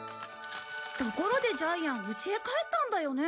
ところでジャイアンうちへ帰ったんだよね？